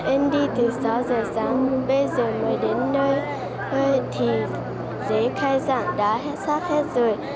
em đi từ sáu giờ sáng bây giờ mới đến nơi hơi thì dự khai giảng đã sát hết rồi